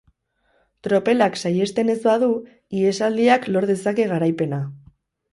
Tropelak saihesten ez badu, ihesaldiak lor dezake garaipena.